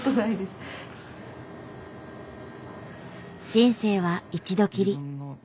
人生は一度きり。